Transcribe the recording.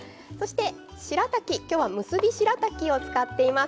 しらたき、今日は結びしらたきを使っています